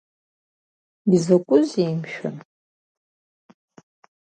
Изакәызеи, мшәан!